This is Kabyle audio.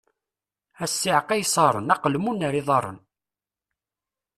A ssiεqa ay iṣaṛen: aqelmun ar iḍaṛṛen!